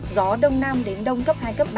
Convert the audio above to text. gió đông nam đến đông cấp hai ba